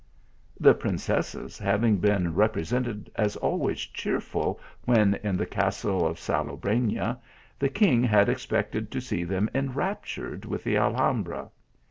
The princesses having been represented as always cheerful when in the castle of Salobrena, the king had expected to see them enraptured with the Al hambra.